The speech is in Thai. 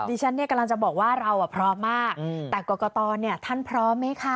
ดิฉันกำลังจะบอกว่าเราพร้อมมากแต่ก่อก่อตอท่านพร้อมไหมคะ